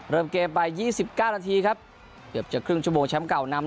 เริ่มเกมไป๒๙นาทีครับเกือบจะครึ่งชั่วโมงแชมป์เก่านำ